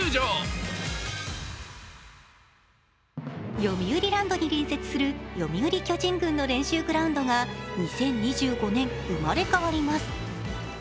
よみうりランドに隣接する読売巨人軍の練習グラウンドが２０２５年、生まれ変わります。